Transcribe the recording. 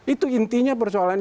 itu intinya persoalan